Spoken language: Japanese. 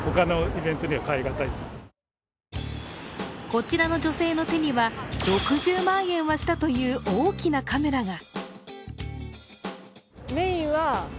こちらの女性の手には６０万円はしたという大きなカメラが。